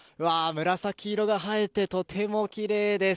紫色が映えてとてもきれいです。